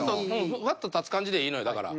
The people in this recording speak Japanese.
ふわっと立つ感じでいいのよだから。